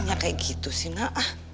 nanya kayak gitu sih nak